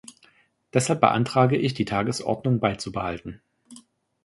Deshalb beantrage ich, die Tagesordnung beizubehalten.